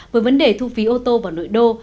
với vấn đề thu phí ô tô vào nội đô